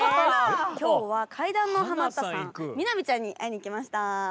今日は怪談のハマったさん美波ちゃんに会いにきました。